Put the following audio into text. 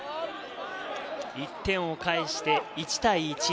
１点を返して１対１。